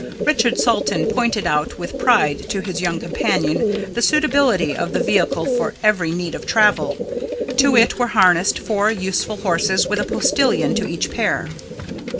Richard Salton pointed out with pride to his young companion the suitability of the vehicle for every need of travel. To it were harnessed four useful horses, with a postillion to each pair.